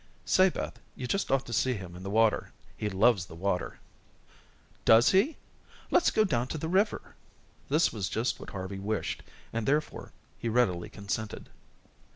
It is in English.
"Say, Beth, you just ought to see him in the water. He loves the water." "Does he? Let's go down to the river." This was just what Harvey wished, and therefore he readily consented.